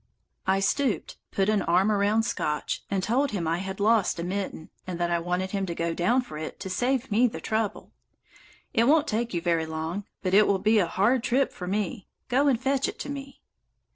I stooped, put an arm around Scotch, and told him I had lost a mitten, and that I wanted him to go down for it to save me the trouble. "It won't take you very long, but it will be a hard trip for me. Go and fetch it to me."